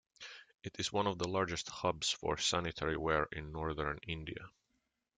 It is one of the largest hubs for sanitary ware in Northern India.